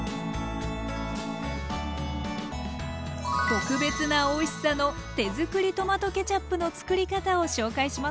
特別なおいしさの手づくりトマトケチャップのつくり方を紹介しますよ。